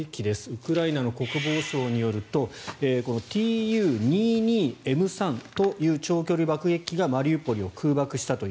ウクライナの国防省によるとこのＴｕ２２Ｍ３という長距離爆撃機がマリウポリを空爆したと。